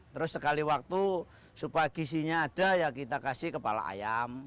terus sekali waktu supagisinya ada ya kita kasih kepala ayam